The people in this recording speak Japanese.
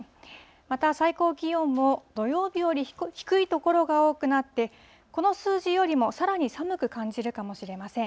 また最高気温も土曜日より低い所が多くなって、この数字よりもさらに寒く感じるかもしれません。